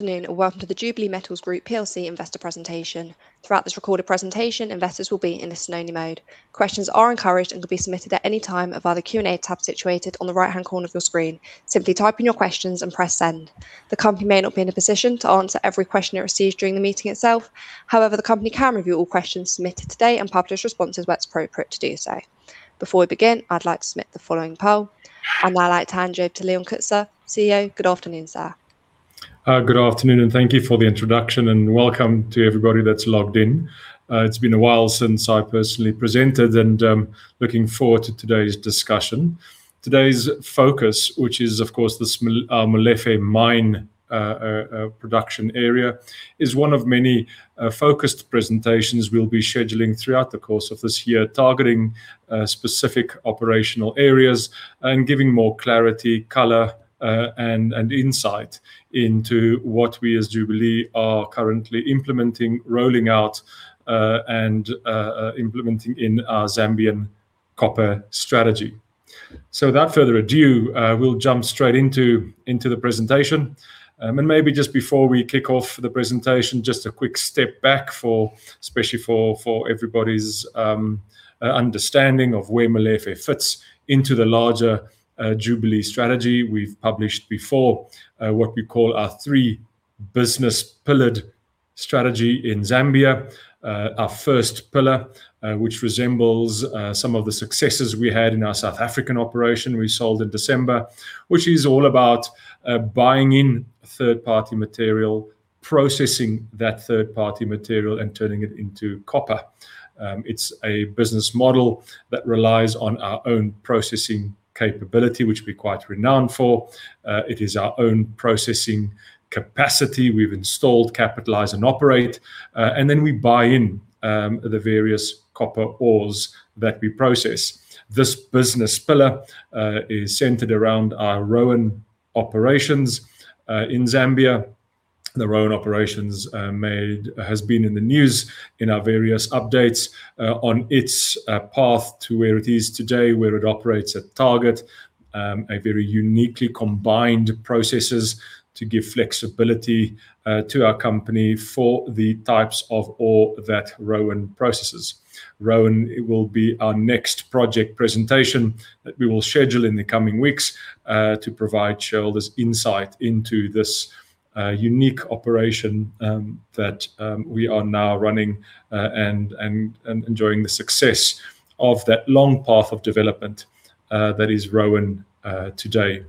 Good afternoon, welcome to the Jubilee Metals Group PLC investor presentation. Throughout this recorded presentation, investors will be in listen-only mode. Questions are encouraged and can be submitted at any time via the Q&A tab situated on the right-hand corner of your screen. Simply type in your questions and press send. The company may not be in a position to answer every question it receives during the meeting itself. However, the company can review all questions submitted today and publish responses where it's appropriate to do so. Before we begin, I'd like to submit the following poll, I'd like to hand you over to Leon Coetzer, CEO. Good afternoon, sir. Good afternoon, thank you for the introduction, welcome to everybody that's logged in. It's been a while since I personally presented, I'm looking forward to today's discussion. Today's focus, which is of course, the Molefe mine production area, is one of many focused presentations we'll be scheduling throughout the course of this year, targeting specific operational areas, giving more clarity, color, insight into what we as Jubilee are currently implementing, rolling out, implementing in our Zambian copper strategy. Without further ado, we'll jump straight into the presentation. Maybe just before we kick off the presentation, just a quick step back, especially for everybody's understanding of where Molefe fits into the larger Jubilee strategy. We've published before what we call our three business-pillared strategy in Zambia. Our first pillar, which resembles some of the successes we had in our South African operation we sold in December, which is all about buying in third-party material, processing that third-party material, turning it into copper. It's a business model that relies on our own processing capability, which we're quite renowned for. It is our own processing capacity we've installed, capitalize and operate, then we buy in the various copper ores that we process. This business pillar is centered around our Roan operations in Zambia. The Roan operations has been in the news in our various updates on its path to where it is today, where it operates at target, a very uniquely combined processes to give flexibility to our company for the types of ore that Roan processes. Roan will be our next project presentation that we will schedule in the coming weeks to provide shareholders insight into this unique operation that we are now running, enjoying the success of that long path of development that is Roan today.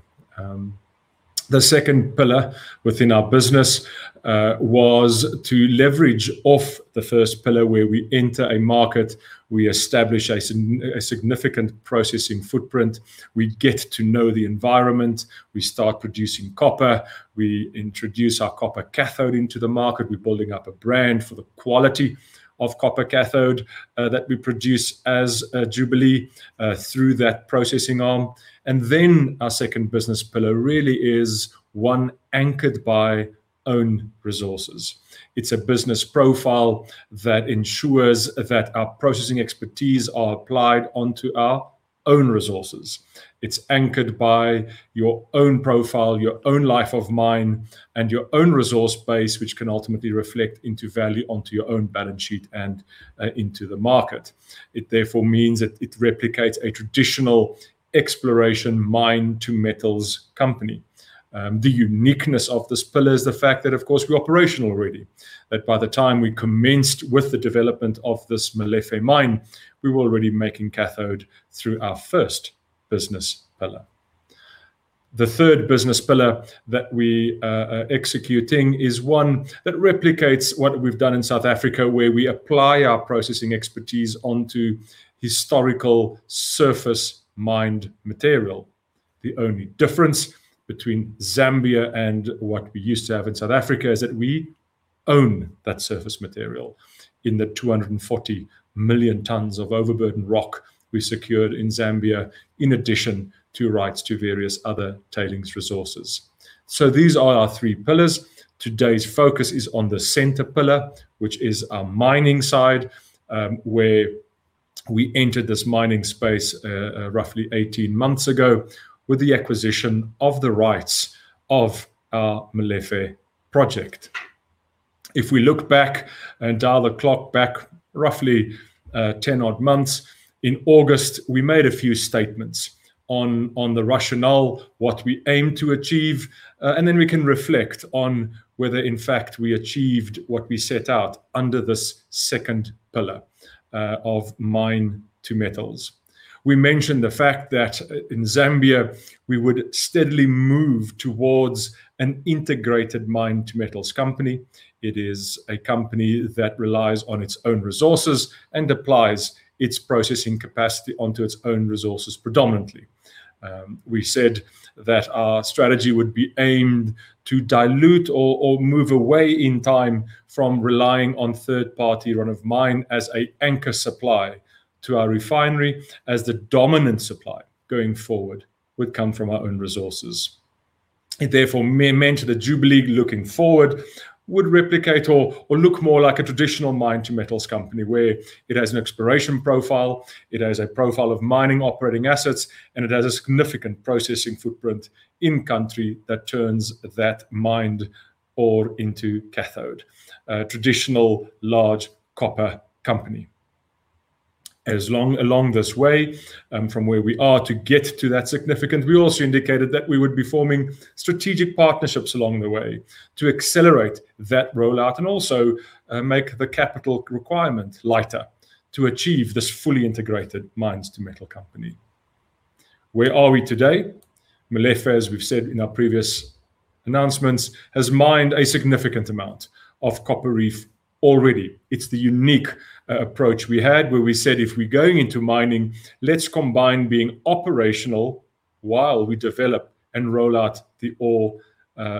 The second pillar within our business was to leverage off the first pillar where we enter a market, we establish a significant processing footprint. We get to know the environment. We start producing copper. We introduce our copper cathode into the market. We're building up a brand for the quality of copper cathode that we produce as Jubilee through that processing arm. Then our second business pillar really is one anchored by own resources. It's a business profile that ensures that our processing expertise are applied onto our own resources. It's anchored by your own profile, your own life of mine, and your own resource base, which can ultimately reflect into value onto your own balance sheet and into the market. It therefore means that it replicates a traditional exploration mine to metals company. The uniqueness of this pillar is the fact that, of course, we're operational already. That by the time we commenced with the development of this Molefe mine, we were already making cathode through our first business pillar. The third business pillar that we are executing is one that replicates what we've done in South Africa, where we apply our processing expertise onto historical surface mined material. The only difference between Zambia and what we used to have in South Africa is that we own that surface material in the 240 million tons of overburden rock we secured in Zambia, in addition to rights to various other tailings resources. These are our three pillars. Today's focus is on the center pillar, which is our mining side, where we entered this mining space roughly 18 months ago with the acquisition of the rights of our Molefe project. If we look back and dial the clock back roughly 10 odd months, in August, we made a few statements on the rationale, what we aim to achieve, and then we can reflect on whether in fact we achieved what we set out under this second pillar of mine to metals. We mentioned the fact that in Zambia, we would steadily move towards an integrated mine to metals company. It is a company that relies on its own resources and applies its processing capacity onto its own resources predominantly. We said that our strategy would be aimed to dilute or move away in time from relying on third party run of mine as an anchor supply to our refinery, as the dominant supply going forward would come from our own resources. It therefore meant that Jubilee, looking forward, would replicate or look more like a traditional mine to metals company, where it has an exploration profile, it has a profile of mining operating assets, and it has a significant processing footprint in-country that turns that mined ore into cathode. A traditional large copper company. Along this way from where we are to get to that significant, we also indicated that we would be forming strategic partnerships along the way to accelerate that rollout and also make the capital requirement lighter to achieve this fully integrated mines to metal company. Where are we today? Molefe, as we've said in our previous announcements, has mined a significant amount of copper reef already. It's the unique approach we had where we said, "If we're going into mining, let's combine being operational while we develop and roll out the ore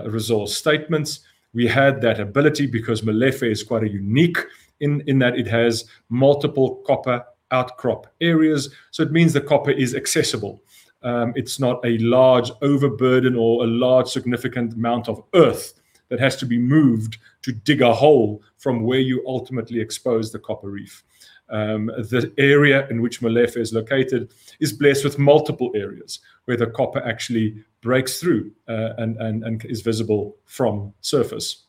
resource statements." We had that ability because Molefe is quite unique in that it has multiple copper outcrop areas. It means the copper is accessible. It's not a large overburden or a large significant amount of earth that has to be moved to dig a hole from where you ultimately expose the copper reef. The area in which Molefe is located is blessed with multiple areas where the copper actually breaks through and is visible from surface.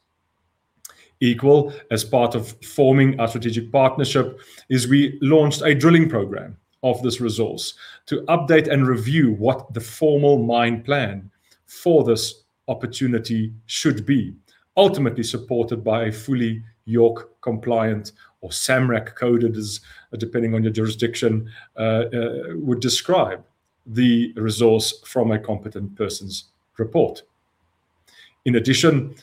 As part of forming a strategic partnership, we launched a drilling program of this resource to update and review what the formal mine plan for this opportunity should be. Ultimately supported by fully JORC compliant or SAMREC coded, depending on your jurisdiction, would describe the resource from a Competent Person's Report. In addition,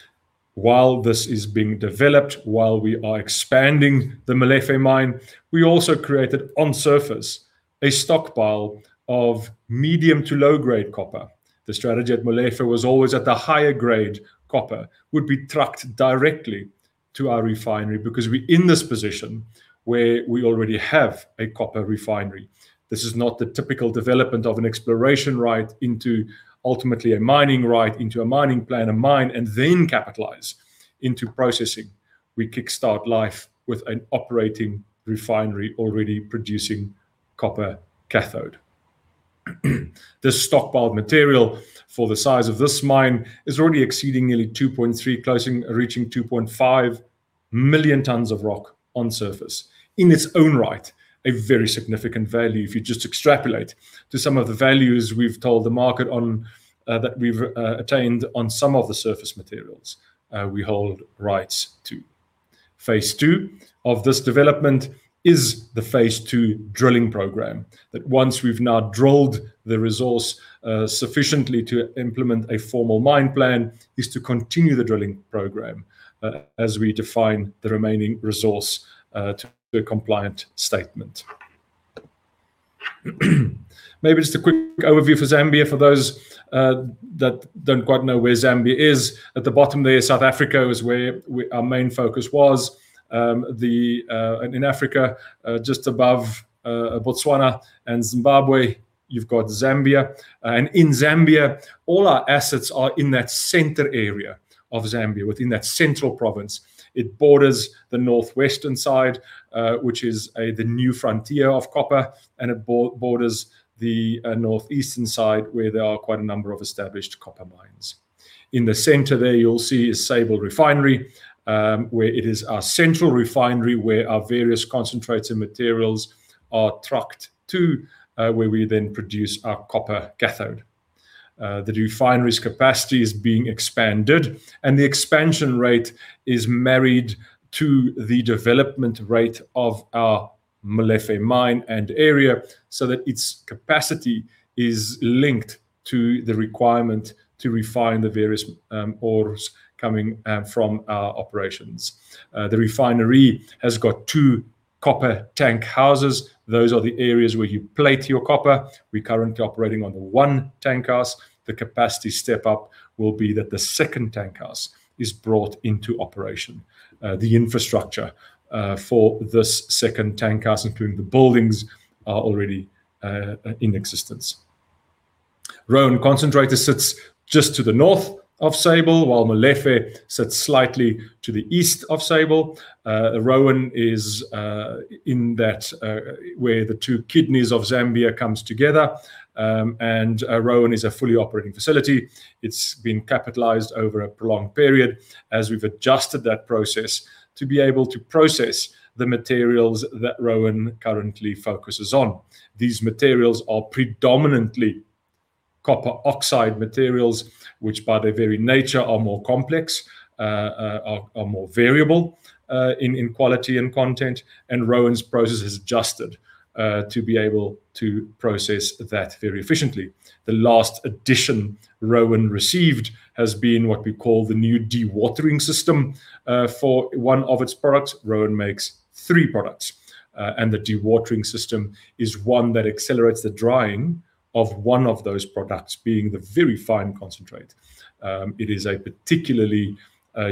while this is being developed, while we are expanding the Molefe mine, we also created on surface a stockpile of medium to low-grade copper. The strategy at Molefe was always that the higher grade copper would be trucked directly to our refinery because we're in this position where we already have a copper refinery. This is not the typical development of an exploration right into, ultimately, a mining right into a mining plan, a mine, and then capitalize into processing. We kick start life with an operating refinery already producing copper cathode. This stockpiled material for the size of this mine is already exceeding nearly 2.3 million, closing, reaching 2.5 million tons of rock on surface. In its own right, a very significant value if you just extrapolate to some of the values we've told the market that we've attained on some of the surface materials we hold rights to. Phase 2 of this development is the phase 2 drilling program that once we've now drilled the resource sufficiently to implement a formal mine plan, is to continue the drilling program as we define the remaining resource to a compliant statement. Maybe just a quick overview for Zambia for those that don't quite know where Zambia is. At the bottom there, South Africa was where our main focus was. In Africa, just above Botswana and Zimbabwe, you've got Zambia. In Zambia, all our assets are in that center area of Zambia, within that central province. It borders the northwestern side, which is the new frontier of copper, and it borders the northeastern side, where there are quite a number of established copper mines. In the center there, you'll see a Sable Refinery, where it is our central refinery where our various concentrated materials are trucked to where we then produce our copper cathode. The refinery's capacity is being expanded, and the expansion rate is married to the development rate of our Molefe mine and area, so that its capacity is linked to the requirement to refine the various ores coming from our operations. The refinery has got two copper tank houses. Those are the areas where you plate your copper. We're currently operating on the one tank house. The capacity step up will be that the second tank house is brought into operation. The infrastructure for this second tank house, including the buildings, are already in existence. Roan Concentrator sits just to the north of Sable, while Molefe sits slightly to the east of Sable. Roan is where the two kidneys of Zambia comes together, and Roan is a fully operating facility. It's been capitalized over a prolonged period as we've adjusted that process to be able to process the materials that Roan currently focuses on. These materials are predominantly copper oxide materials, which by their very nature are more complex, are more variable in quality and content, and Roan's process has adjusted to be able to process that very efficiently. The last addition Roan received has been what we call the new dewatering system for one of its products. Roan makes three products, and the dewatering system is one that accelerates the drying of one of those products, being the very fine concentrate. It is a particularly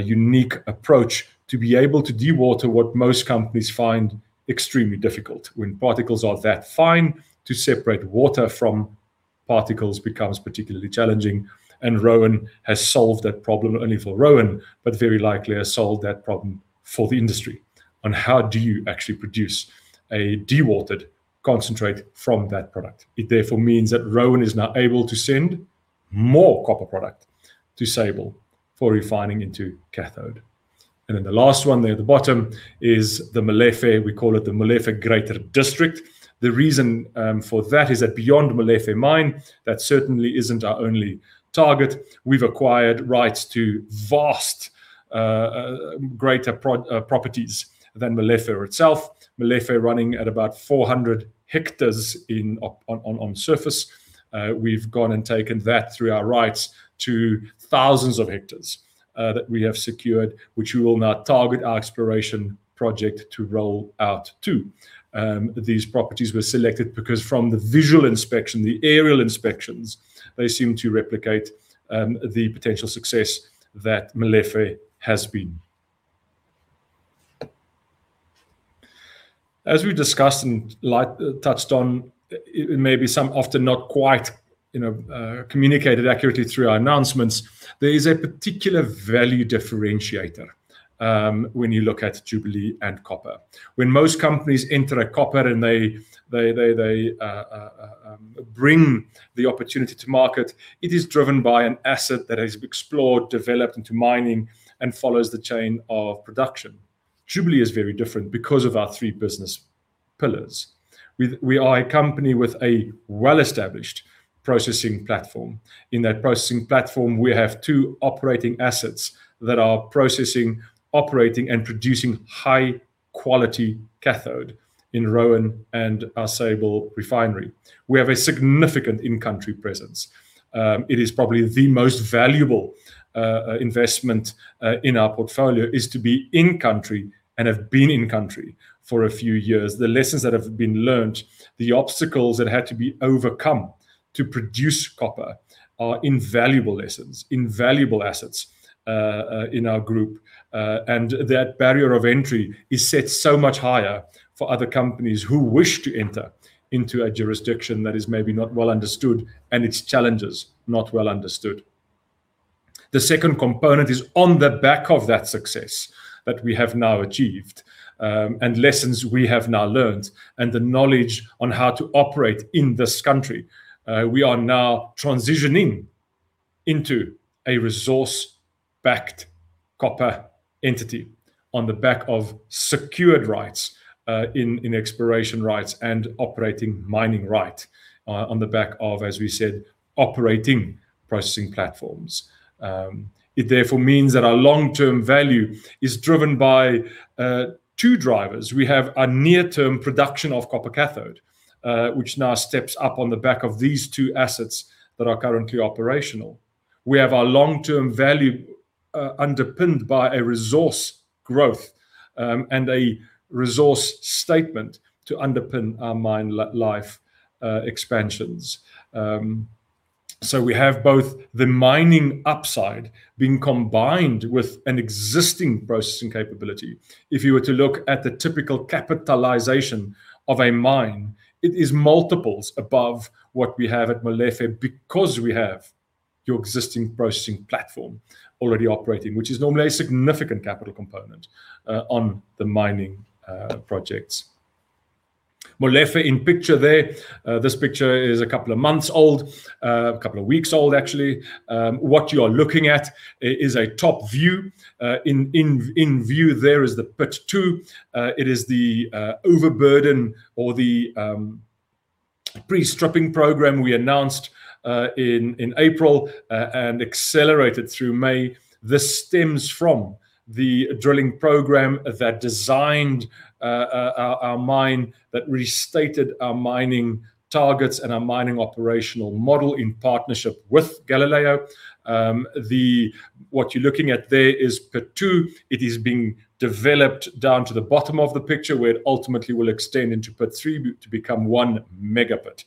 unique approach to be able to dewater what most companies find extremely difficult when particles are that fine to separate water from particles becomes particularly challenging. Roan has solved that problem only for Roan, but very likely has solved that problem for the industry on how do you actually produce a dewatered concentrate from that product. It therefore means that Roan is now able to send more copper product to Sable for refining into cathode. The last one there at the bottom is the Molefe, we call it the greater Molefe district. The reason for that is that beyond Molefe mine, that certainly isn't our only target. We've acquired rights to vast greater properties than Molefe itself. Molefe running at about 400 hectares on surface. We've gone and taken that through our rights to thousands of hectares that we have secured, which we will now target our exploration project to roll out to. These properties were selected because from the visual inspection, the aerial inspections, they seem to replicate the potential success that Molefe has been. As we discussed and touched on, it may be some often not quite communicated accurately through our announcements, there is a particular value differentiator when you look at Jubilee and copper. When most companies enter copper and they bring the opportunity to market, it is driven by an asset that is explored, developed into mining, and follows the chain of production. Jubilee is very different because of our three business pillars. We are a company with a well-established processing platform. In that processing platform, we have two operating assets that are processing, operating, and producing high-quality cathode in Roan and our Sable refinery. We have a significant in-country presence. It is probably the most valuable investment in our portfolio is to be in country and have been in country for a few years. The lessons that have been learned, the obstacles that had to be overcome to produce copper are invaluable lessons, invaluable assets in our group. That barrier of entry is set so much higher for other companies who wish to enter into a jurisdiction that is maybe not well understood and its challenges not well understood. The second component is on the back of that success that we have now achieved, and lessons we have now learned, and the knowledge on how to operate in this country. We are now transitioning into a resource-backed copper entity on the back of secured rights in exploration rights and operating mining right on the back of, as we said, operating processing platforms. It therefore means that our long-term value is driven by two drivers. We have a near-term production of copper cathode, which now steps up on the back of these two assets that are currently operational. We have our long-term value underpinned by a resource growth and a resource statement to underpin our mine life expansions. We have both the mining upside being combined with an existing processing capability. If you were to look at the typical capitalization of a mine, it is multiples above what we have at Molefe because we have your existing processing platform already operating, which is normally a significant capital component on the mining projects. Molefe in picture there. This picture is a couple of months old, a couple of weeks old, actually. What you are looking at is a top view. In view there is the. It is the overburden or the pre-stripping program we announced in April and accelerated through May. This stems from the drilling program that designed our mine, that restated our mining targets and our mining operational model in partnership with Galileo. What you are looking at there is pit 2. It is being developed down to the bottom of the picture, where it ultimately will extend into pit 3 to become one mega-pit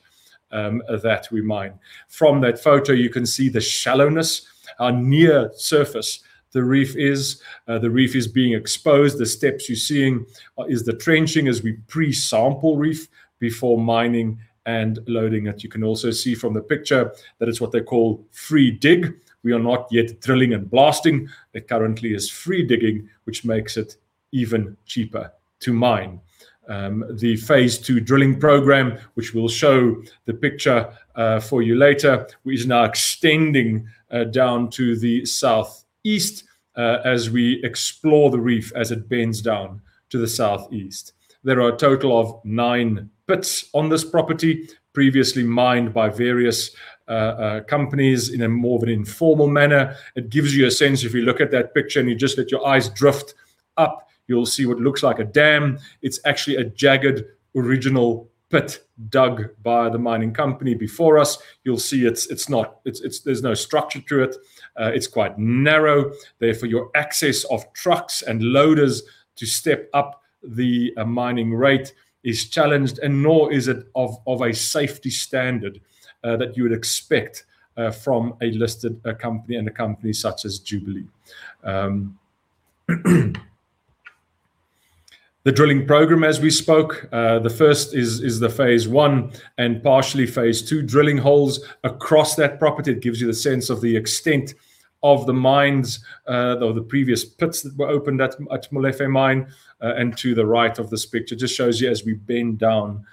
that we mine. From that photo, you can see the shallowness, how near surface the reef is. The reef is being exposed. The steps you are seeing is the trenching as we pre-sample reef before mining and loading it. You can also see from the picture that it is what they call free dig. We are not yet drilling and blasting. It currently is free digging, which makes it even cheaper to mine. The phase 2 drilling program, which we will show the picture for you later, is now extending down to the southeast as we explore the reef as it bends down to the southeast. There are a total of nine pits on this property, previously mined by various companies in more of an informal manner. It gives you a sense, if you look at that picture and you just let your eyes drift up, you will see what looks like a dam. It is actually a jagged original pit dug by the mining company before us. You will see there is no structure to it. It is quite narrow. Therefore, your access of trucks and loaders to step up the mining rate is challenged, and nor is it of a safety standard that you would expect from a listed company and a company such as Jubilee. The drilling program as we spoke. The first is the phase 1 and partially phase 2 drilling holes across that property. It gives you the sense of the extent of the mines, or the previous pits that were opened at Molefe mine, and to the right of this picture. Just shows you as we bend down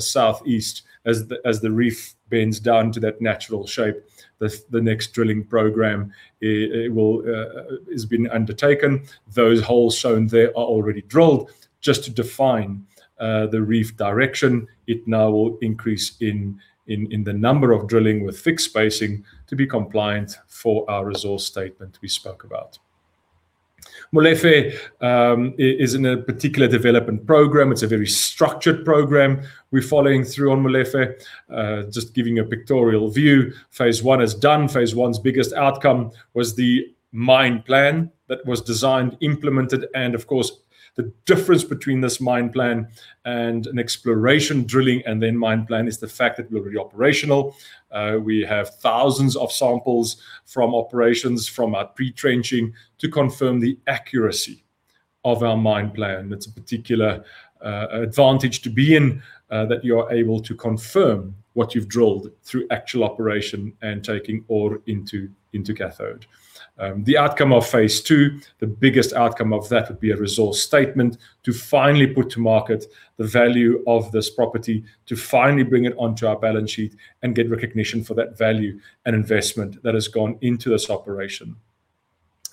southeast, as the reef bends down to that natural shape. The next drilling program has been undertaken. Those holes shown there are already drilled just to define the reef direction. It now will increase in the number of drilling with fixed spacing to be compliant for our resource statement we spoke about. Molefe is in a particular development program. It's a very structured program we are following through on Molefe. Just giving a pictorial view. Phase 1 is done. Phase 1's biggest outcome was the mine plan that was designed, implemented, and of course, the difference between this mine plan and an exploration drilling and then mine plan is the fact that we're already operational. We have thousands of samples from operations from our pre-trenching to confirm the accuracy of our mine plan. That's a particular advantage to be in, that you are able to confirm what you've drilled through actual operation and taking ore into cathode. The outcome of phase 2, the biggest outcome of that would be a resource statement to finally put to market the value of this property, to finally bring it onto our balance sheet and get recognition for that value and investment that has gone into this operation.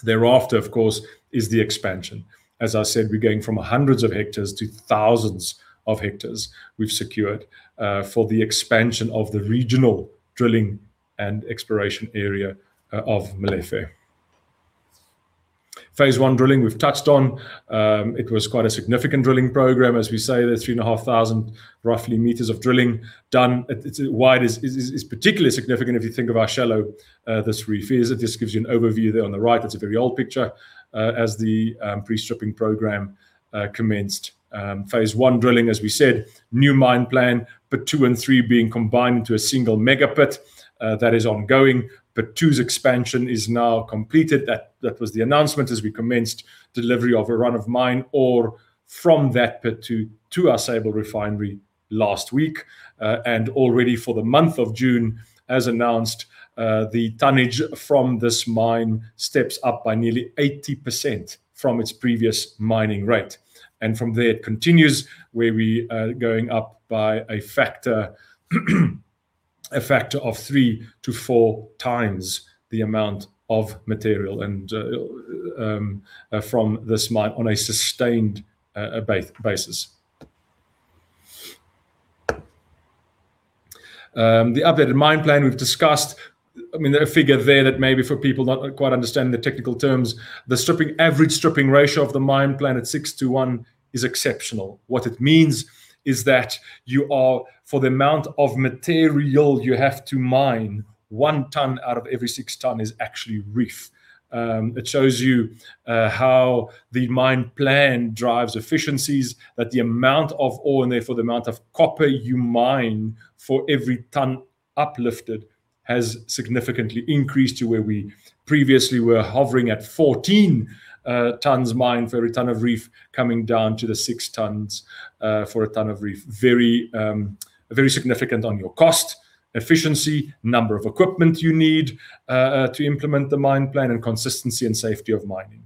Thereafter, of course, is the expansion. As I said, we're going from hundreds of hectares to thousands of hectares we've secured for the expansion of the regional drilling and exploration area of Molefe. Phase 1 drilling we've touched on. It was quite a significant drilling program, as we say there, 3,500 roughly meters of drilling done. It's particularly significant if you think of how shallow this reef is. This gives you an overview there on the right. It's a very old picture as the pre-stripping program commenced. Phase 1 drilling, as we said, new mine plan, pit 2 and 3 being combined into a single mega-pit. That is ongoing. Pit 2's expansion is now completed. That was the announcement as we commenced delivery of a run of mine ore from that pit to our Sable Refinery last week. Already for the month of June, as announced, the tonnage from this mine steps up by nearly 80% from its previous mining rate. From there it continues where we are going up by a factor of 3x-4x the amount of material from this mine on a sustained basis. The updated mine plan we've discussed. The figure there that maybe for people not quite understanding the technical terms. The average stripping ratio of the mine plan at 6:1 is exceptional. What it means is that for the amount of material you have to mine, 1 ton out of every 6 tons is actually reef. It shows you how the mine plan drives efficiencies. That the amount of ore, and therefore the amount of copper you mine for every ton uplifted, has significantly increased to where we previously were hovering at 14 tons mined for every ton of reef, coming down to the 6 tons for a ton of reef. Very significant on your cost, efficiency, number of equipment you need to implement the mine plan, and consistency and safety of mining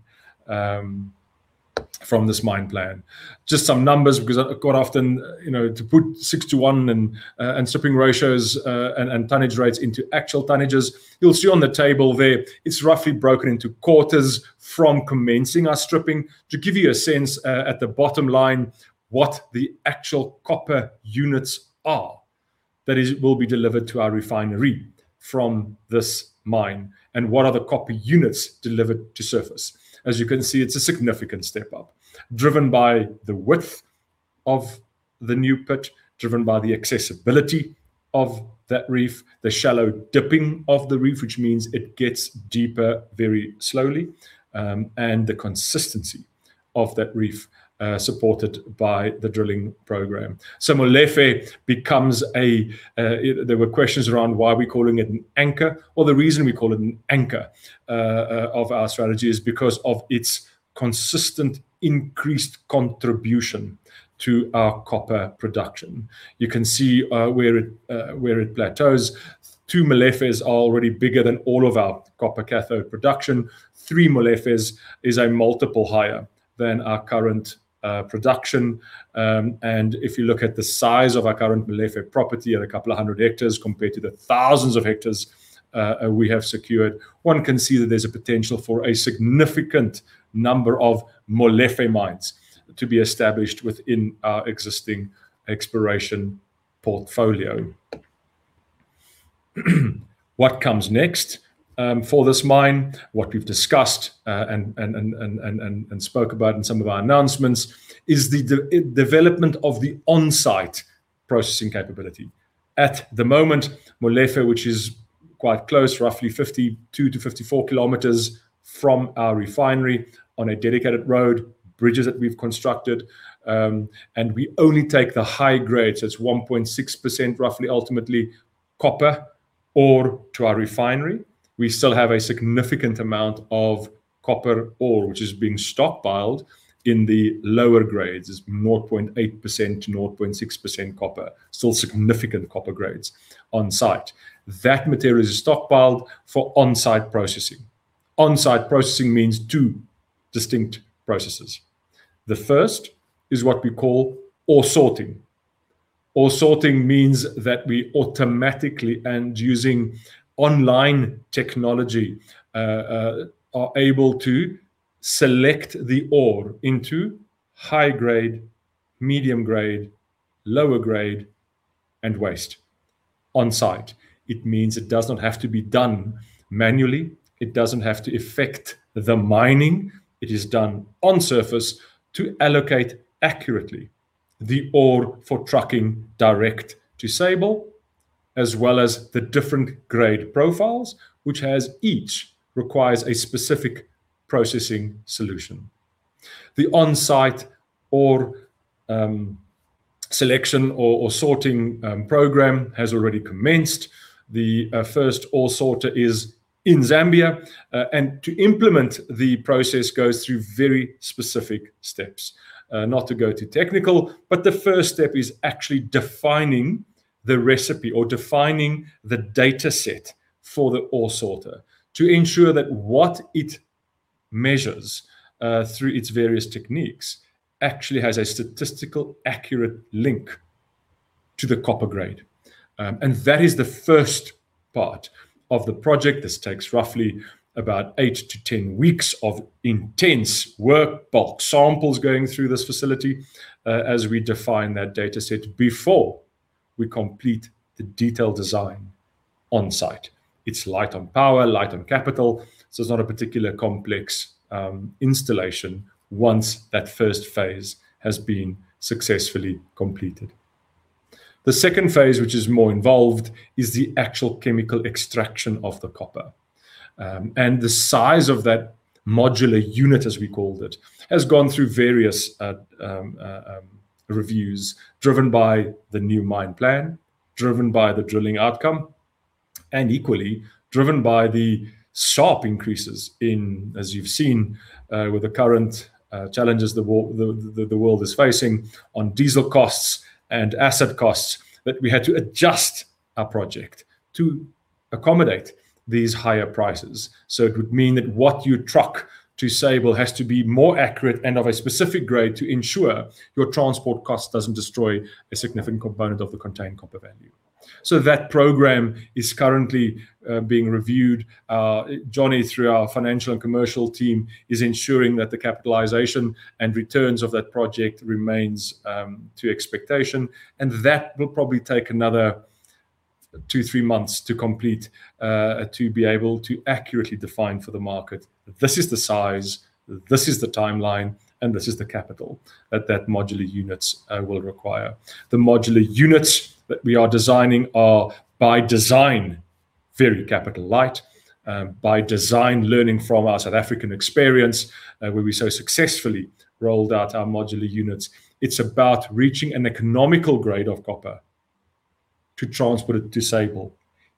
from this mine plan. Just some numbers because quite often to put 6:1 and stripping ratios and tonnage rates into actual tonnages. You'll see on the table there it's roughly broken into quarters from commencing our stripping. To give you a sense at the bottom line what the actual copper units are that will be delivered to our refinery from this mine, and what are the copper units delivered to surface. As you can see, it's a significant step up driven by the width of the new pit, driven by the accessibility of that reef, the shallow dipping of the reef, which means it gets deeper very slowly. The consistency of that reef supported by the drilling program. Molefe becomes, there were questions around why we're calling it an anchor. The reason we call it an anchor of our strategy is because of its consistent increased contribution to our copper production. You can see where it plateaus. Two Molefes are already bigger than all of our copper cathode production. Three Molefes is a multiple higher than our current production. If you look at the size of our current Molefe property at a couple of hundred hectares compared to the thousands of hectares we have secured, one can see that there's a potential for a significant number of Molefe mines to be established within our existing exploration portfolio. What comes next for this mine? What we've discussed and spoke about in some of our announcements is the development of the on-site processing capability. At the moment, Molefe, which is quite close, roughly 52 km-54 km from our refinery on a dedicated road, bridges that we've constructed. We only take the high grades. That's 1.6% roughly, ultimately copper ore to our refinery. We still have a significant amount of copper ore which is being stockpiled in the lower grades, it's 0.8%-0.6% copper, still significant copper grades on site. That material is stockpiled for on-site processing. On-site processing means two distinct processes. The first is what we call ore sorting. Ore sorting means that we automatically and using online technology, are able to select the ore into high grade, medium grade, lower grade and waste on site. It means it does not have to be done manually. It doesn't have to affect the mining. It is done on surface to allocate accurately the ore for trucking direct to Sable, as well as the different grade profiles which each requires a specific processing solution. The on-site ore selection or ore sorting program has already commenced. The first ore sorter is in Zambia. To implement the process goes through very specific steps. Not to go too technical, the first step is actually defining the recipe or defining the data set for the ore sorter to ensure that what it measures through its various techniques actually has a statistical accurate link to the copper grade. That is the first part of the project. This takes roughly about eight to 10 weeks of intense work, bulk samples going through this facility, as we define that data set before we complete the detailed design on site. It's light on power, light on capital, it's not a particular complex installation once that first phase has been successfully completed. The second phase, which is more involved, is the actual chemical extraction of the copper. The size of that modular unit, as we called it, has gone through various reviews driven by the new mine plan, driven by the drilling outcome, and equally driven by the sharp increases in, as you've seen with the current challenges the world is facing on diesel costs and asset costs, that we had to adjust our project to accommodate these higher prices. It would mean that what you truck to Roan has to be more accurate and of a specific grade to ensure your transport cost doesn't destroy a significant component of the contained copper value. That program is currently being reviewed. Johnny, through our financial and commercial team, is ensuring that the capitalization and returns of that project remains to expectation. That will probably take another two, three months to complete to be able to accurately define for the market, this is the size, this is the timeline, and this is the capital that that modular units will require. The modular units that we are designing are by design very capital light. By design, learning from our South African experience, where we so successfully rolled out our modular units. It's about reaching an economical grade of copper to transport it to Roan.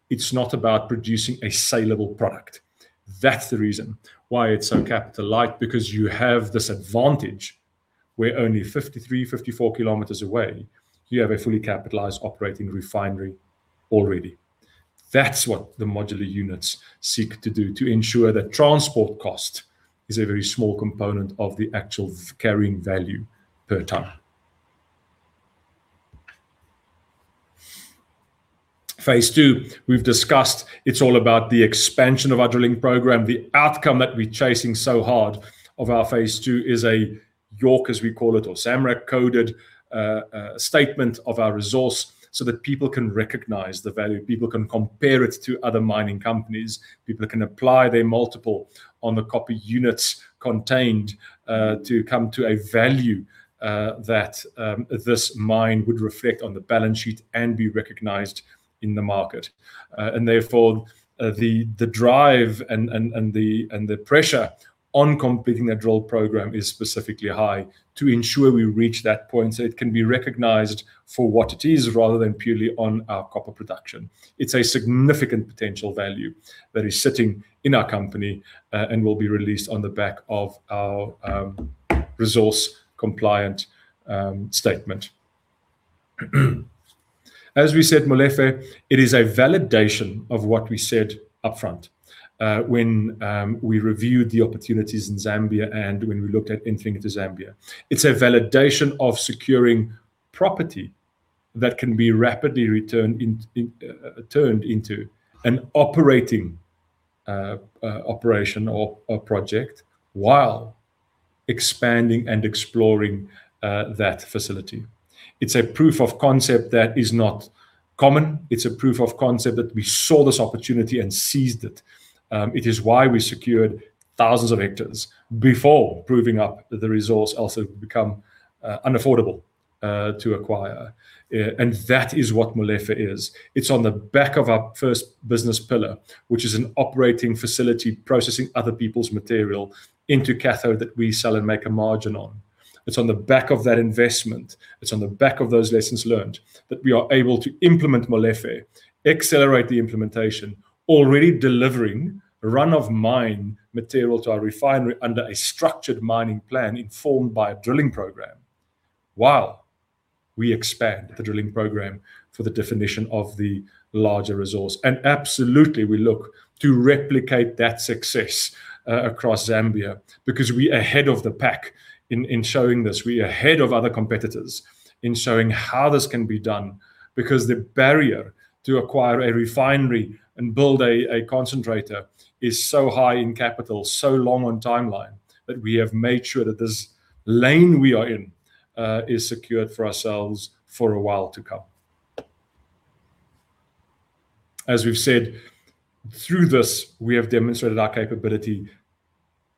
It's not about producing a saleable product. That's the reason why it's so capital light, because you have this advantage where only 53 km, 54 km away, you have a fully capitalized operating refinery already. That's what the modular units seek to do to ensure that transport cost is a very small component of the actual carrying value per ton. Phase 2 we've discussed. It's all about the expansion of our drilling program. The outcome that we're chasing so hard of our phase 2 is a JORC as we call it, or SAMREC-coded statement of our resource so that people can recognize the value, people can compare it to other mining companies, people can apply their multiple on the copper units contained, to come to a value that this mine would reflect on the balance sheet and be recognized in the market. Therefore, the drive and the pressure on completing that drill program is specifically high to ensure we reach that point so it can be recognized for what it is rather than purely on our copper production. It's a significant potential value that is sitting in our company, and will be released on the back of our resource compliant statement. As we said, Molefe, it is a validation of what we said upfront when we reviewed the opportunities in Zambia and when we looked at entering into Zambia. It's a validation of securing property that can be rapidly turned into an operating operation or project while expanding and exploring that facility. It's a proof of concept that is not common. It's a proof of concept that we saw this opportunity and seized it. It is why we secured thousands of hectares before proving up that the resource also become unaffordable to acquire. That is what Molefe is. It's on the back of our first business pillar, which is an operating facility processing other people's material into cathode that we sell and make a margin on. It's on the back of that investment, it's on the back of those lessons learned that we are able to implement Molefe, accelerate the implementation, already delivering run-of-mine material to our refinery under a structured mining plan informed by a drilling program, while we expand the drilling program for the definition of the larger resource. Absolutely, we look to replicate that success across Zambia because we're ahead of the pack in showing this. We are ahead of other competitors in showing how this can be done, because the barrier to acquire a refinery and build a concentrator is so high in capital, so long on timeline, that we have made sure that this lane we are in is secured for ourselves for a while to come. As we've said, through this, we have demonstrated our capability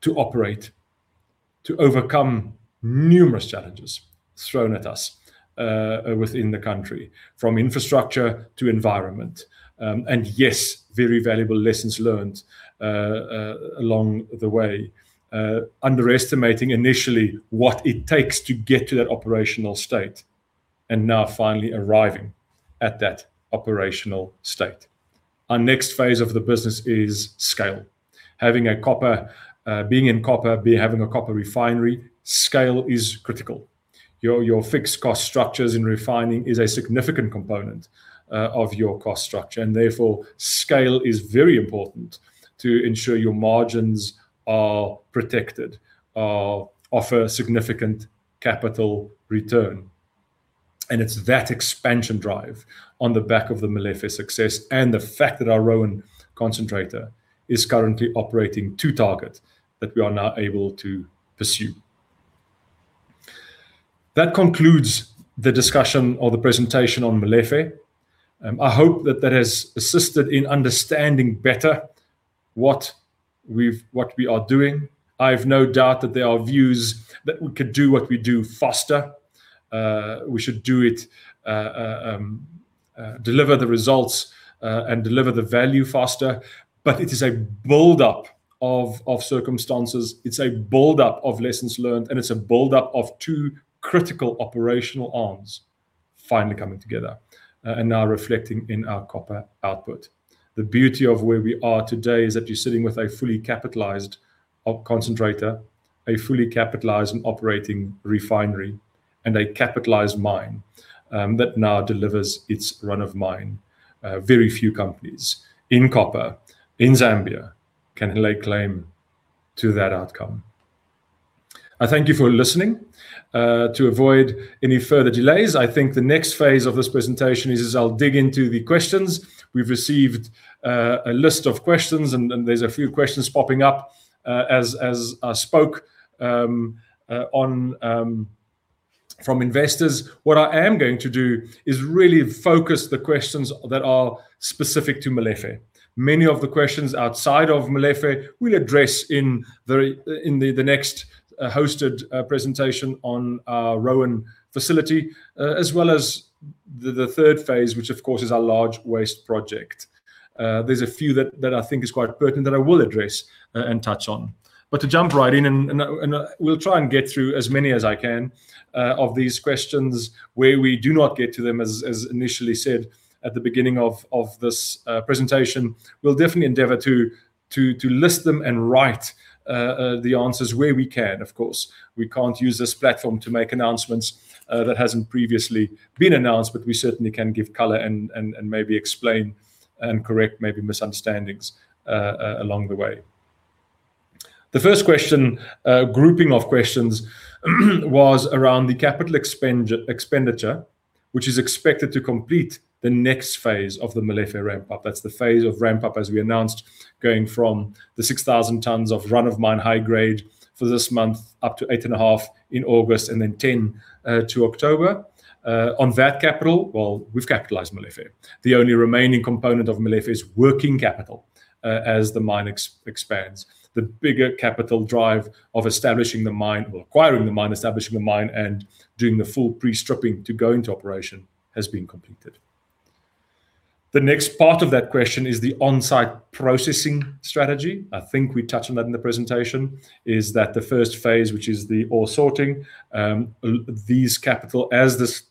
to operate, to overcome numerous challenges thrown at us within the country, from infrastructure to environment. Yes, very valuable lessons learned along the way. Underestimating initially what it takes to get to that operational state, and now finally arriving at that operational state. Our next phase of the business is scale. Being in copper, having a copper refinery, scale is critical. Your fixed cost structures in refining is a significant component of your cost structure. Therefore, scale is very important to ensure your margins are protected, offer significant capital return. It's that expansion drive on the back of the Molefe success and the fact that our Roan concentrator is currently operating to target that we are now able to pursue. That concludes the discussion or the presentation on Molefe. I hope that has assisted in understanding better what we are doing. I have no doubt that there are views that we could do what we do faster. We should deliver the results and deliver the value faster. It is a build-up of circumstances, it's a build-up of lessons learned, and it's a build-up of two critical operational arms finally coming together and now reflecting in our copper output. The beauty of where we are today is that you're sitting with a fully capitalized concentrator, a fully capitalized and operating refinery, and a capitalized mine that now delivers its run of mine. Very few companies in copper in Zambia can lay claim to that outcome. I thank you for listening. To avoid any further delays, I think the next phase of this presentation is I'll dig into the questions. We've received a list of questions, and there's a few questions popping up as I spoke from investors. What I am going to do is really focus the questions that are specific to Molefe. Many of the questions outside of Molefe we'll address in the next hosted presentation on our Roan facility, as well as the third phase, which of course is our large waste project. There's a few that I think is quite pertinent that I will address and touch on. To jump right in, and we'll try and get through as many as I can of these questions. Where we do not get to them, as initially said at the beginning of this presentation, we'll definitely endeavor to list them and write the answers where we can, of course. We can't use this platform to make announcements that hasn't previously been announced, but we certainly can give color and maybe explain and correct maybe misunderstandings along the way. The first grouping of questions was around the capital expenditure, which is expected to complete the next phase of the Molefe ramp-up. That's the phase of ramp-up as we announced, going from the 6,000 tons of run-of-mine high-grade for this month up to 8.5 in August and then 10 to October. On that capital, we've capitalized Molefe. The only remaining component of Molefe is working capital as the mine expands. The bigger capital drive of acquiring the mine, establishing the mine, and doing the full pre-stripping to go into operation has been completed. The next part of that question is the on-site processing strategy. I think we touched on that in the presentation, is that the first phase, which is the ore sorting, these capital as this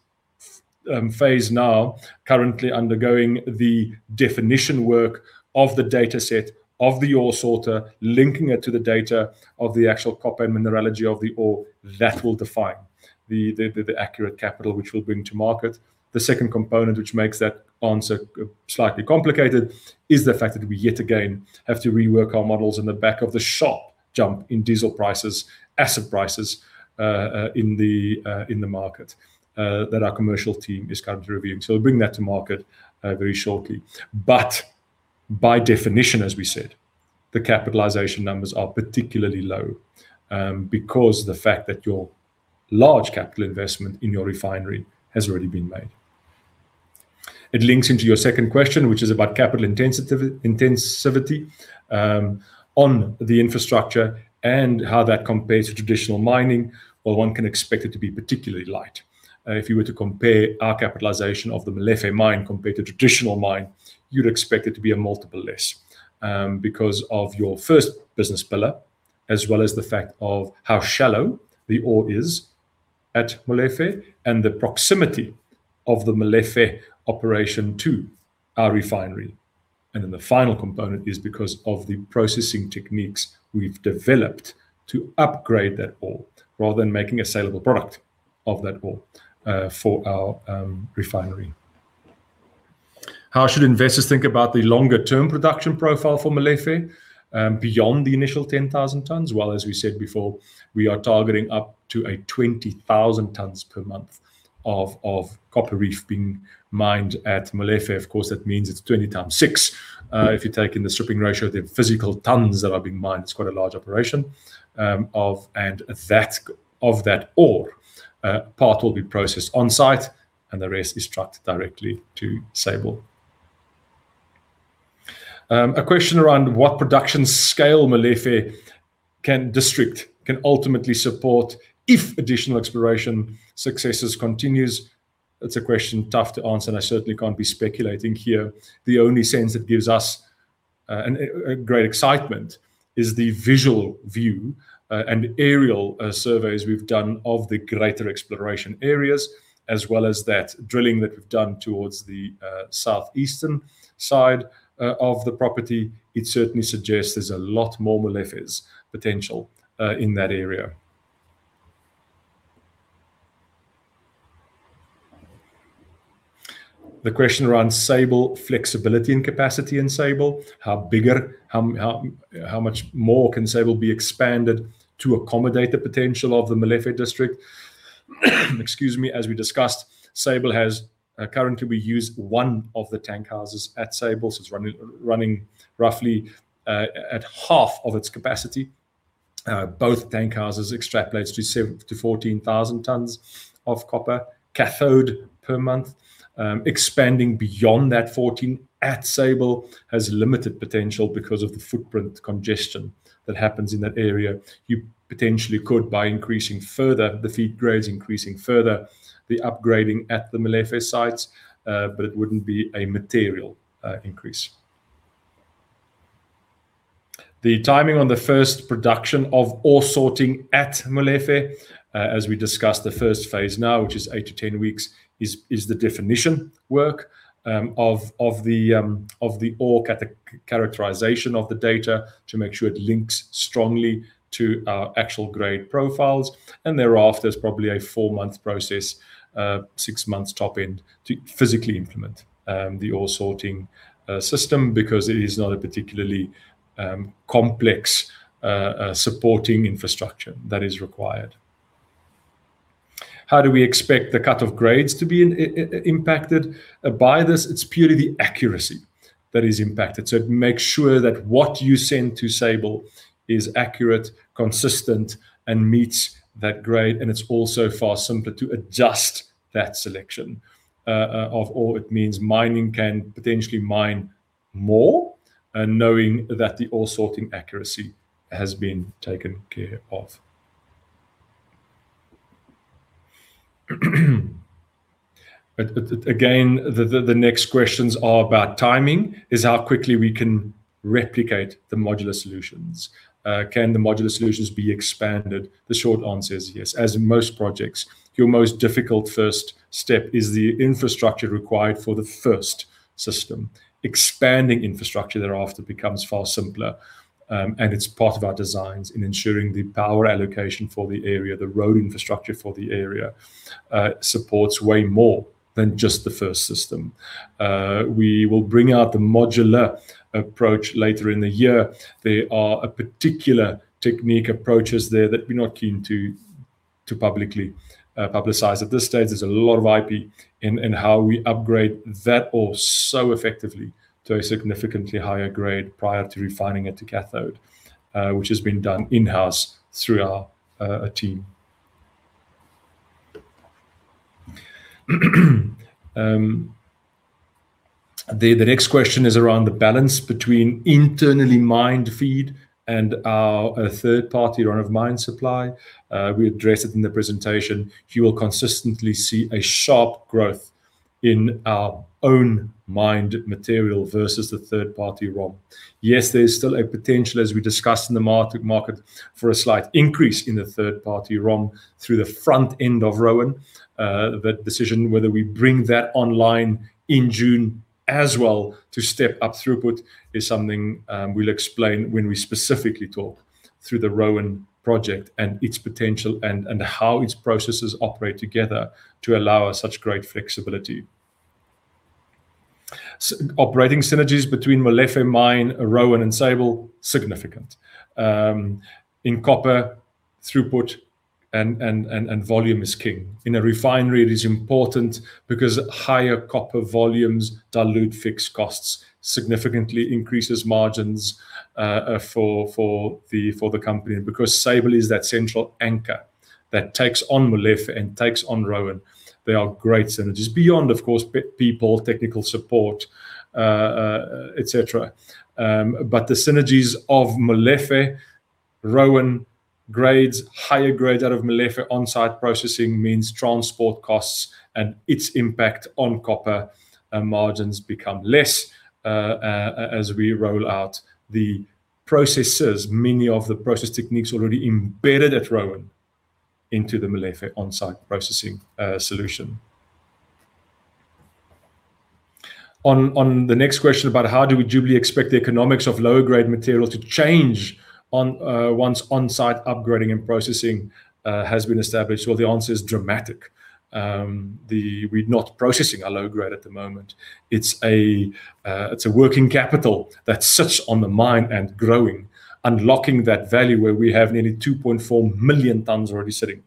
phase now currently undergoing the definition work of the data set of the ore sorter, linking it to the data of the actual copper mineralogy of the ore. That will define the accurate capital which we'll bring to market. The second component which makes that answer slightly complicated is the fact that we yet again have to rework our models in the back of the sharp jump in diesel prices, asset prices in the market that our commercial team is currently reviewing. We'll bring that to market very shortly. By definition, as we said, the capitalization numbers are particularly low because of the fact that your large capital investment in your refinery has already been made. It links into your second question, which is about capital intensivity on the infrastructure and how that compares to traditional mining, or one can expect it to be particularly light. If you were to compare our capitalization of the Molefe mine compared to a traditional mine, you'd expect it to be a multiple less because of your first business pillar as well as the fact of how shallow the ore is at Molefe and the proximity of the Molefe operation to our refinery. The final component is because of the processing techniques we've developed to upgrade that ore rather than making a saleable product of that ore for our refinery. How should investors think about the longer-term production profile for Molefe beyond the initial 10,000 tons? As we said before, we are targeting up to a 20,000 tons per month of copper reef being mined at Molefe. Of course, that means it's 20x6. If you take in the stripping ratio, the physical tons that are being mined, it's quite a large operation of that ore. Part will be processed on-site and the rest is trucked directly to Sable. A question around what production scale Molefe District can ultimately support if additional exploration successes continues. It's a question tough to answer and I certainly can't be speculating here. The only sense that gives us a great excitement is the visual view and aerial surveys we've done of the greater exploration areas, as well as that drilling that we've done towards the south-eastern side of the property. It certainly suggests there's a lot more Molefe's potential in that area. The question around Sable, flexibility and capacity in Sable. How much more can Sable be expanded to accommodate the potential of the Molefe District? Excuse me. As we discussed, currently we use one of the tank houses at Sable, so it's running roughly at half of its capacity. Both tank houses extrapolates to 14,000 tons of copper cathode per month. Expanding beyond that 14 at Sable has limited potential because of the footprint congestion that happens in that area. You potentially could by increasing further the feed grades, increasing further the upgrading at the Molefe sites, but it wouldn't be a material increase. The timing on the first production of ore sorting at Molefe. As we discussed, the first phase now, which is eight to 10 weeks, is the definition work of the ore characterization of the data to make sure it links strongly to our actual grade profiles. Thereafter, there's probably a four-month process, six months top-end, to physically implement the ore-sorting system because it is not a particularly complex supporting infrastructure that is required. How do we expect the cut-off grades to be impacted by this? It's purely the accuracy that is impacted. It makes sure that what you send to Sable is accurate, consistent, and meets that grade, and it's also far simpler to adjust that selection of ore. It means mining can potentially mine more, knowing that the ore-sorting accuracy has been taken care of. Again, the next questions are about timing, is how quickly we can replicate the modular solutions. Can the modular solutions be expanded? The short answer is yes. As most projects, your most difficult first step is the infrastructure required for the first system. Expanding infrastructure thereafter becomes far simpler, and it's part of our designs in ensuring the power allocation for the area, the road infrastructure for the area supports way more than just the first system. We will bring out the modular approach later in the year. There are a particular technique approaches there that we're not keen to publicize at this stage. There's a lot of IP in how we upgrade that ore so effectively to a significantly higher grade prior to refining it to cathode, which has been done in-house through our team. The next question is around the balance between internally mined feed and our third-party run-of-mine supply. We address it in the presentation. You will consistently see a sharp growth in our own mined material versus the third-party ROM. Yes, there is still a potential, as we discussed in the market, for a slight increase in the third-party ROM through the front end of Roan. That decision whether we bring that online in June as well to step up throughput is something we'll explain when we specifically talk through the Roan project and its potential and how its processes operate together to allow us such great flexibility. Operating synergies between Molefe mine, Roan, and Sable are significant. In copper, throughput and volume is king. In a refinery, it is important because higher copper volumes dilute fixed costs, significantly increases margins for the company, because Sable is that central anchor that takes on Molefe and takes on Roan. They are great synergies. Beyond, of course, people, technical support, et cetera. The synergies of Molefe, Roan grades, higher grades out of Molefe on-site processing means transport costs and its impact on copper margins become less as we roll out the processes, many of the process techniques already embedded at Roan into the Molefe on-site processing solution. On the next question about how do we duly expect the economics of low-grade material to change once on-site upgrading and processing has been established? Well, the answer is dramatic. We're not processing our low-grade at the moment. It's a working capital that sits on the mine and growing, unlocking that value where we have nearly 2.4 million tonnes already sitting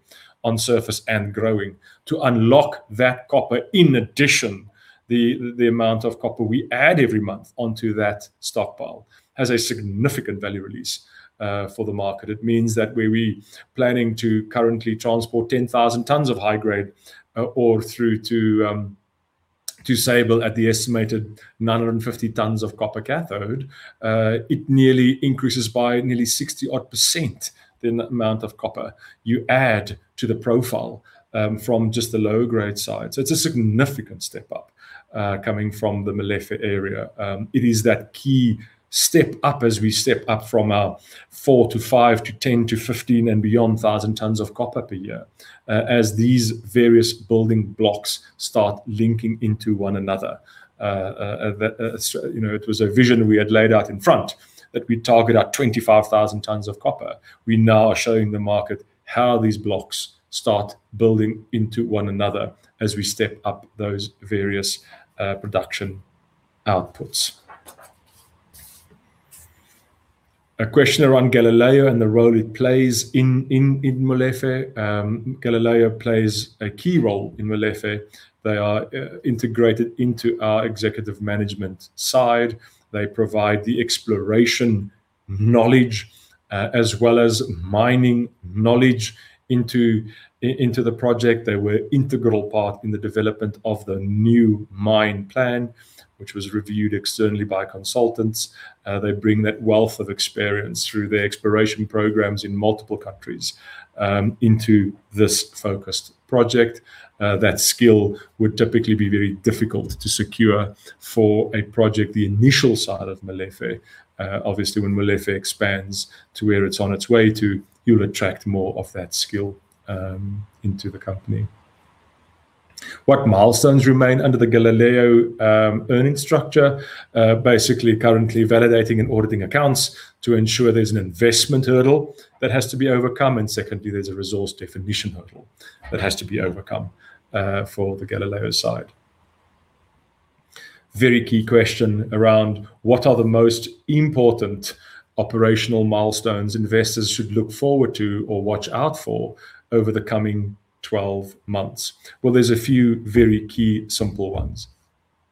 on surface and growing to unlock that copper in addition, the amount of copper we add every month onto that stockpile has a significant value release for the market. It means that where we planning to currently transport 10,000 tonnes of high-grade ore through to Sable at the estimated 950 tonnes of copper cathode, it nearly increases by nearly 60-odd % the amount of copper you add to the profile from just the low-grade side. It's a significant step up coming from the Molefe area. It is that key step up as we step up from our four to five to 10-15 and beyond 1,000 tonnes of copper per year as these various building blocks start linking into one another. It was a vision we had laid out in front that we target our 25,000 tonnes of copper. We now are showing the market how these blocks start building into one another as we step up those various production outputs. A question around Galileo and the role it plays in Molefe. Galileo plays a key role in Molefe. They are integrated into our executive management side. They provide the exploration knowledge as well as mining knowledge into the project. They were integral part in the development of the new mine plan, which was reviewed externally by consultants. They bring that wealth of experience through their exploration programs in multiple countries into this focused project. That skill would typically be very difficult to secure for a project the initial side of Molefe. Obviously, when Molefe expands to where it's on its way to, you'll attract more of that skill into the company. What milestones remain under the Galileo earnings structure? Basically, currently validating and auditing accounts to ensure there's an investment hurdle that has to be overcome, and secondly, there's a resource definition hurdle that has to be overcome for the Galileo side. Very key question around what are the most important operational milestones investors should look forward to or watch out for over the coming 12 months? Well, there's a few very key simple ones.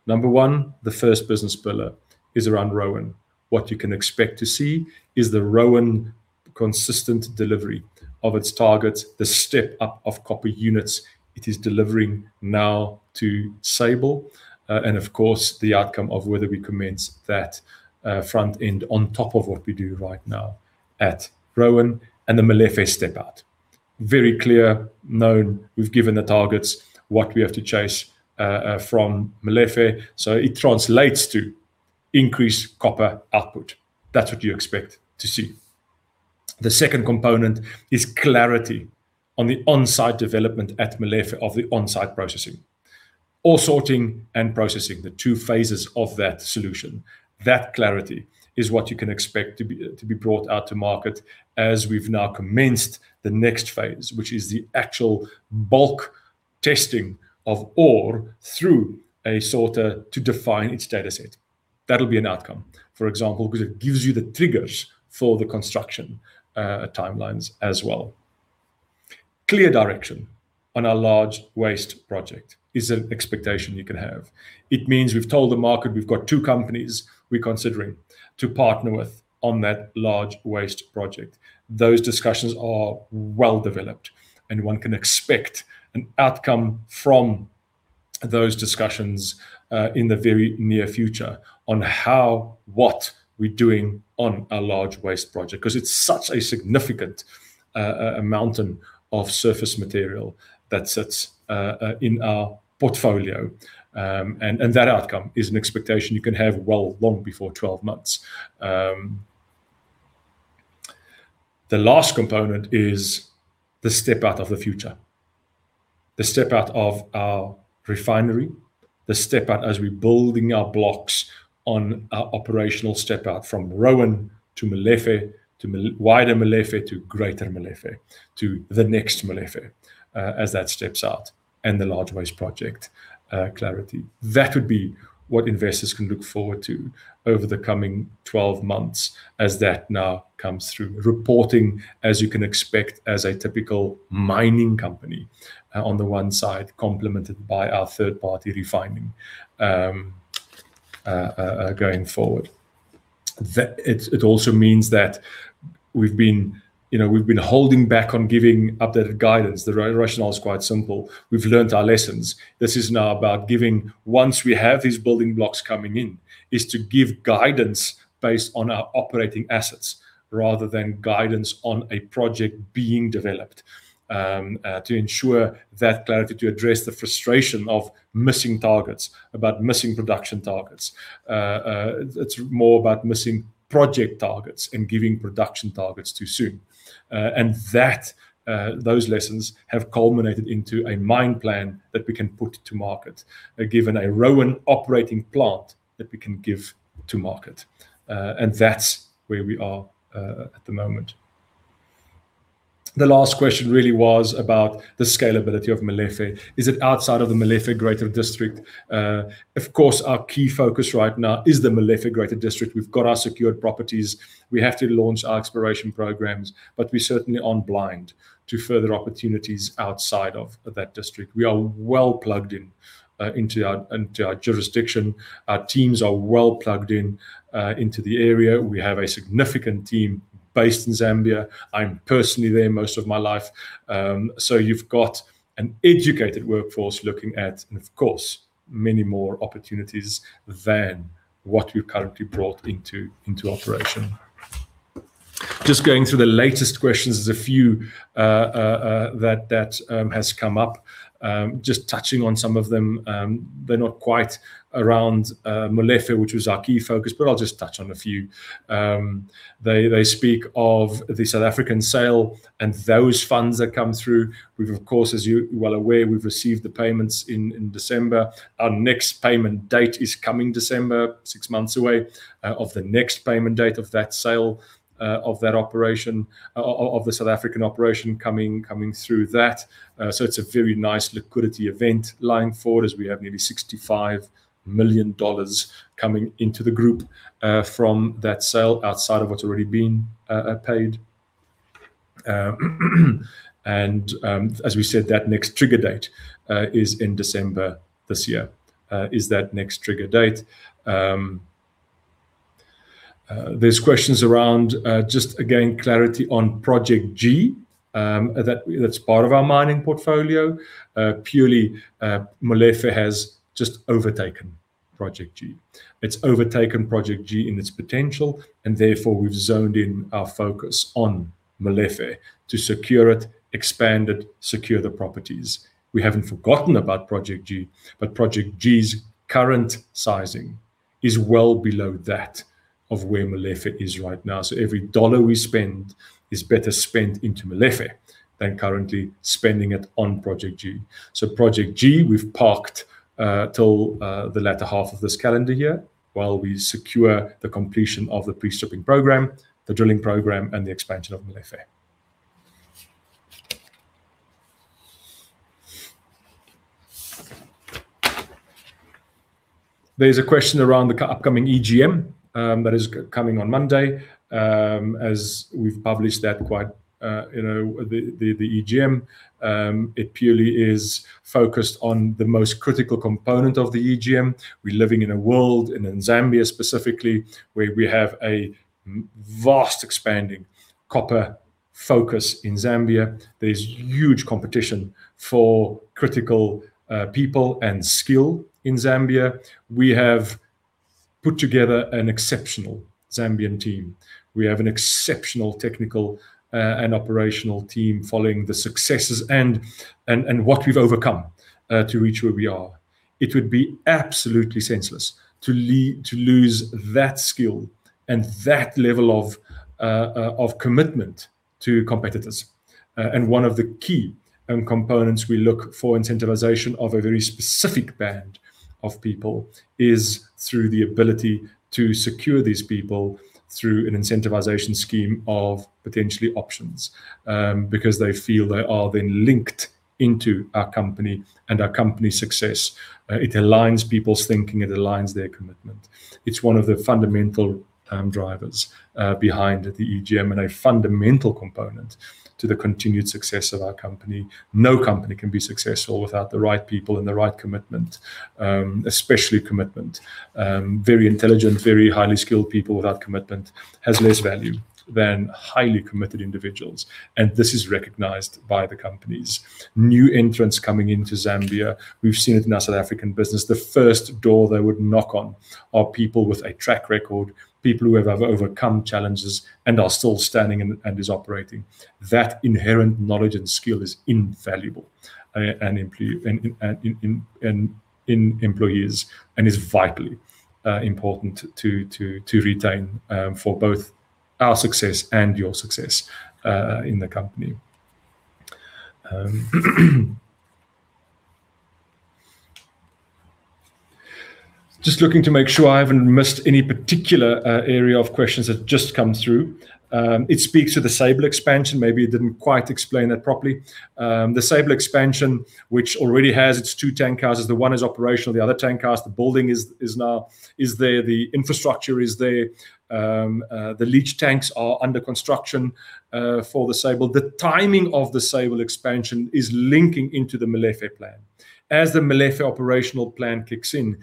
Number 1, the first business pillar is around Roan. What you can expect to see is the Roan consistent delivery of its targets, the step up of copper units it is delivering now to Sable. Of course, the outcome of whether we commence that front end on top of what we do right now at Roan and the Molefe step-out. Very clear, known, we've given the targets what we have to chase from Molefe. It translates to increased copper output. That's what you expect to see. The second component is clarity on the on-site development at Molefe of the on-site processing. Ore sorting and processing, the two phases of that solution. That clarity is what you can expect to be brought out to market as we've now commenced the next phase, which is the actual bulk testing of ore through a sorter to define its data set. That'll be an outcome, for example, because it gives you the triggers for the construction timelines as well. Clear direction on our large waste project is an expectation you can have. It means we've told the market we've got two companies we're considering to partner with on that large waste project. Those discussions are well-developed, and one can expect an outcome from those discussions in the very near future on how, what we're doing on our large waste project because it's such a significant mountain of surface material that sits in our portfolio. That outcome is an expectation you can have well long before 12 months. The last component is the step-out of the future, the step-out of our refinery, the step-out as we're building our blocks on our operational step-out from Roan to Molefe to wider Molefe to greater Molefe to the next Molefe as that steps out and the large waste project clarity. That would be what investors can look forward to over the coming 12 months as that now comes through reporting, as you can expect as a typical mining company on the one side, complemented by our third-party refining. Going forward, it also means that we've been holding back on giving updated guidance. The rationale is quite simple. We've learned our lessons. This is now about giving, once we have these building blocks coming in, is to give guidance based on our operating assets rather than guidance on a project being developed to ensure that clarity to address the frustration of missing targets, about missing production targets. It's more about missing project targets and giving production targets too soon. Those lessons have culminated into a mine plan that we can put to market, given a Roan operating plant that we can give to market. That's where we are at the moment. The last question really was about the scalability of Molefe. Is it outside of the Molefe greater district? Of course, our key focus right now is the Molefe greater district. We've got our secured properties. We have to launch our exploration programs. We certainly aren't blind to further opportunities outside of that district. We are well plugged in into our jurisdiction. Our teams are well plugged in into the area. We have a significant team based in Zambia. I'm personally there most of my life. You've got an educated workforce looking at, of course, many more opportunities than what we've currently brought into operation. Just going through the latest questions, there's a few that has come up. Just touching on some of them. They're not quite around Molefe which was our key focus, but I'll just touch on a few. They speak of the South African sale and those funds that come through. We've, of course, as you're well aware, we've received the payments in December. Our next payment date is coming December, six months away of the next payment date of that sale of that operation, of the South African operation coming through that. It's a very nice liquidity event lying forward as we have nearly $65 million coming into the group from that sale outside of what's already been paid. As we said, that next trigger date is in December this year, is that next trigger date. There's questions around just again clarity on Project G that's part of our mining portfolio. Purely, Molefe has just overtaken Project G. It's overtaken Project G in its potential, and therefore we've zoned in our focus on Molefe to secure it, expand it, secure the properties. We haven't forgotten about Project G, but Project G's current sizing is well below that of where Molefe is right now. Every GBP we spend is better spent into Molefe than currently spending it on Project G. Project G we've parked till the latter half of this calendar year while we secure the completion of the pre-stripping program, the drilling program, and the expansion of Molefe. There's a question around the upcoming EGM that is coming on Monday. As we've published that, the EGM purely is focused on the most critical component of the EGM. We're living in a world and in Zambia specifically, where we have a vast expanding copper focus in Zambia. There's huge competition for critical people and skill in Zambia. We have put together an exceptional Zambian team. We have an exceptional technical and operational team following the successes and what we've overcome to reach where we are. It would be absolutely senseless to lose that skill and that level of commitment to competitors. One of the key components we look for incentivization of a very specific band of people is through the ability to secure these people through an incentivization scheme of potentially options because they feel they are then linked into our company and our company's success. It aligns people's thinking, it aligns their commitment. It's one of the fundamental drivers behind the EGM and a fundamental component to the continued success of our company. No company can be successful without the right people and the right commitment, especially commitment. Very intelligent, very highly skilled people without commitment has less value than highly committed individuals, and this is recognized by the companies. New entrants coming into Zambia, we've seen it in our South African business. The first door they would knock on are people with a track record, people who have overcome challenges and are still standing and is operating. That inherent knowledge and skill is invaluable in employees and is vitally important to retain for both our success and your success in the company. Just looking to make sure I haven't missed any particular area of questions that's just come through. It speaks to the Sable expansion, maybe it didn't quite explain that properly. The Sable expansion, which already has its two tank houses, the one is operational, the other tank house, the building is there, the infrastructure is there. The leach tanks are under construction for the Sable. The timing of the Sable expansion is linking into the Molefe plan. As the Molefe operational plan kicks in,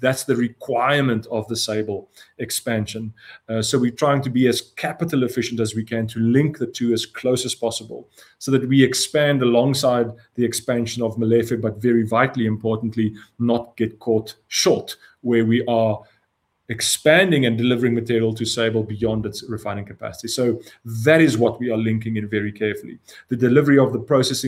that's the requirement of the Sable expansion. We're trying to be as capital efficient as we can to link the two as close as possible so that we expand alongside the expansion of Molefe, but very vitally importantly, not get caught short where we are expanding and delivering material to Sable beyond its refining capacity. That is what we are linking in very carefully. The delivery of the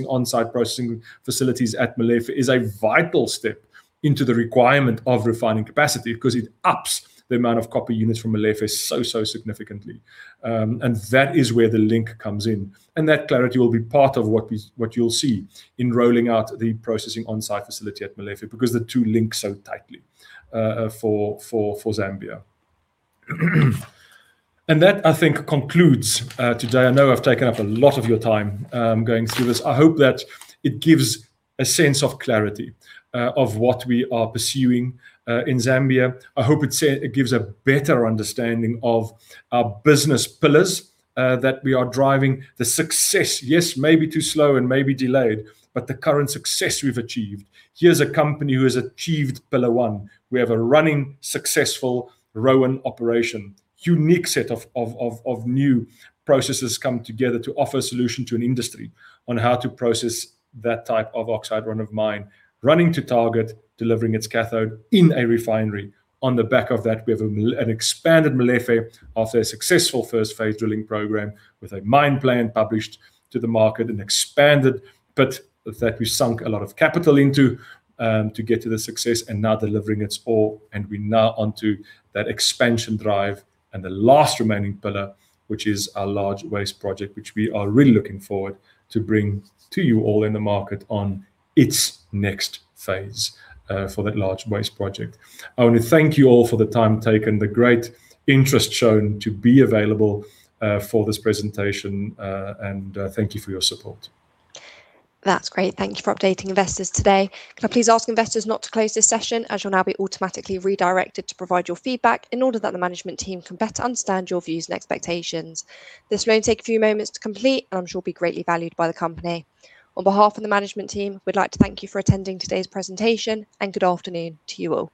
on-site processing facilities at Molefe is a vital step into the requirement of refining capacity because it ups the amount of copper units from Molefe so significantly. That is where the link comes in. That clarity will be part of what you'll see in rolling out the processing on-site facility at Molefe because the two link so tightly for Zambia. That, I think, concludes today. I know I've taken up a lot of your time going through this. I hope that it gives a sense of clarity of what we are pursuing in Zambia. I hope it gives a better understanding of our business pillars that we are driving. The success, yes, maybe too slow and maybe delayed, but the current success we've achieved. Here's a company who has achieved pillar one. We have a running, successful Roan operation. Unique set of new processes come together to offer solution to an industry on how to process that type of oxide run of mine. Running to target, delivering its cathode in a refinery. On the back of that, we have an expanded Molefe after a successful first-phase drilling program with a mine plan published to the market, an expanded pit that we sunk a lot of capital into to get to the success and now delivering its ore. We're now onto that expansion drive and the last remaining pillar, which is a large waste project, which we are really looking forward to bring to you all in the market on its next phase for that large waste project. I want to thank you all for the time taken, the great interest shown to be available for this presentation. Thank you for your support. That's great. Thank you for updating investors today. Can I please ask investors not to close this session, as you'll now be automatically redirected to provide your feedback in order that the management team can better understand your views and expectations. This may only take a few moments to complete and I'm sure will be greatly valued by the company. On behalf of the management team, we'd like to thank you for attending today's presentation, good afternoon to you all